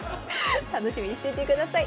楽しみにしていてください。